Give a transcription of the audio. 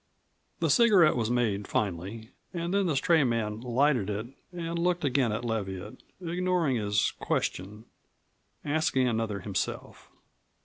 The cigarette was made finally, and then the stray man lighted it and looked again at Leviatt, ignoring his question, asking another himself.